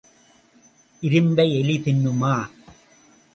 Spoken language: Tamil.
இரும்பை எலி தின்னுமா?